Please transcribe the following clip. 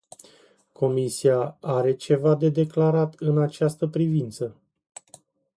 Comisia are ceva de declarat în această privință?